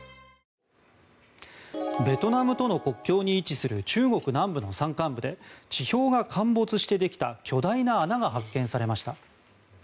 ベトナムとの国境に位置する中国南部の山間部で地表が陥没してできた巨大な穴が発見されました。